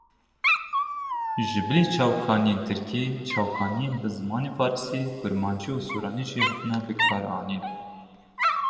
Ji bilî çavakniyên tirkî, çavkaniyên bi zimanê farisî, kurmancî û soranî jî hatine bikaranîn.